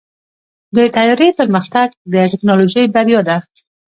د طیارې پرمختګ د ټیکنالوژۍ بریا ده.